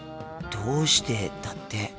「どうして？」だって。